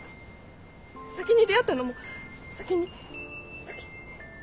先に出会ったのも先に先。